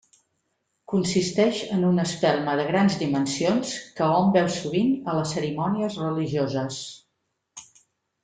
Consisteix en una espelma de grans dimensions que hom veu sovint a les cerimònies religioses.